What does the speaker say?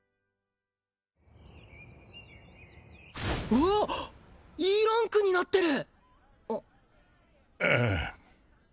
うわっＥランクになってる！